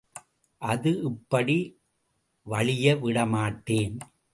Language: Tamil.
அது இப்படி வழியவிடமாட்டேன்.